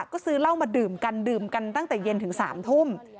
ก็ซื้อเหล้ามาดื่มกันดื่มกันตั้งแต่เย็นถึง๓ทุ่ม